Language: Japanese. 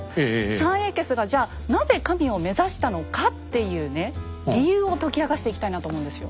三英傑がじゃなぜ神を目指したのかっていうね理由を解き明かしていきたいなと思うんですよ。